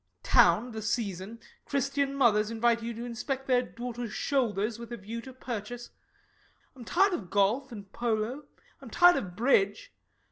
Town the Season? Christian mothers invite you to inspect their daughters' shoulders, with a view to purchase. I'm tired of golf and polo; I'm tired of bridge.